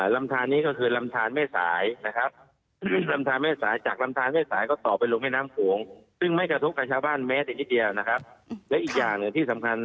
แล้วก็ลงลำชาญลำชาญนี้ก็คือลำชาญแม่สาย